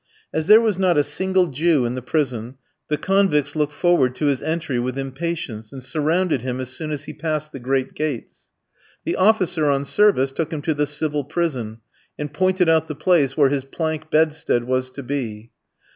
As there was not a single Jew in the prison, the convicts looked forward to his entry with impatience, and surrounded him as soon as he passed the great gates. The officer on service took him to the civil prison, and pointed out the place where his plank bedstead was to be.